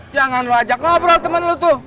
jangan lo ajak ngobrol temen lu tuh